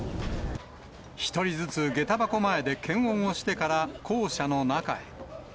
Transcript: １人ずつげた箱前で検温をしてから校舎の中へ。